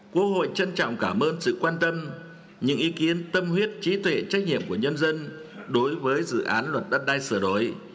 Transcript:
quốc hội trân trọng cảm ơn sự quan tâm những ý kiến tâm huyết trí tuệ trách nhiệm của nhân dân đối với dự án luật đất đai sửa đổi